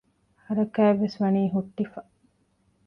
ހަރާކާތްވެސް ވަނީ ހުއްޓިފަ